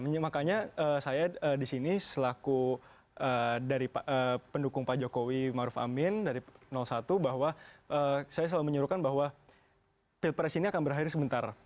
makanya saya disini selaku dari pendukung pak jokowi maruf amin dari satu bahwa saya selalu menyuruhkan bahwa pilpres ini akan berakhir sebentar